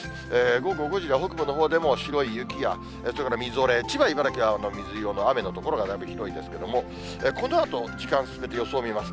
午後５時は、北部のほうでも白い雪や、それからみぞれ、千葉、茨城は水色の雨の所がだいぶ広いですけれども、このあと、時間進めて予想を見ます。